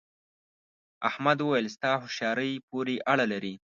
احمد وويل: ستا هوښیارۍ پورې اړه لري.